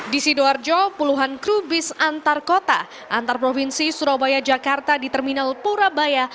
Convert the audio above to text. di sidoarjo puluhan kru bus antarkota antarprovinsi surabaya jakarta di terminal purabaya